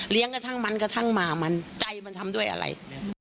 กระทั่งมันกระทั่งมามันใจมันทำด้วยอะไร